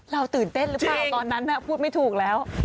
ตื่นเต้นหรือเปล่าตอนนั้นพูดไม่ถูกแล้ว